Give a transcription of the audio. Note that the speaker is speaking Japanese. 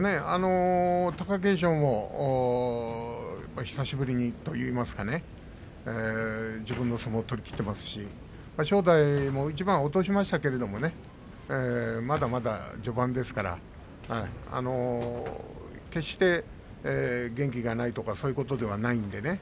貴景勝も、やっぱり久しぶりにといいますかね自分の相撲を取りきっていますし正代も一番落としましたけれどねまだまだ序盤ですから決して元気がないとかそういうことではないんでね